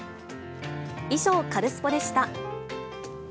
以上、カルスポっ！でした。